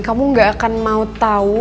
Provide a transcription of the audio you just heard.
kamu gak akan mau tahu